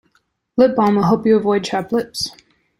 Lip balm will help you avoid chapped lips.